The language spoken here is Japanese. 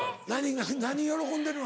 何喜んでるの？